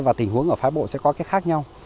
và tình huống ở phái bộ sẽ có cái khác nhau